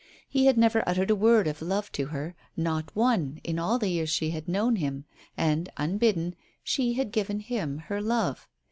He had never uttered a word of love to her not one, in all the years she had known him, and, unbidden, she had given him her love.